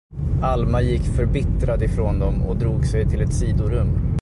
Alma gick förbittrad ifrån dem och drog sig till ett sidorum.